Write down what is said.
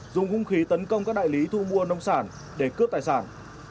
dùng hung khí tấn công các đại lý thu mua nông sản để cướp tài sản